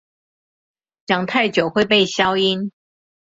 講太久會被消音